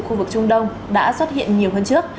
khu vực trung đông đã xuất hiện nhiều hơn trước